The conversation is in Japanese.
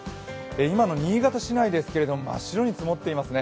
今の新潟市内ですけども、真っ白に積もっていますね。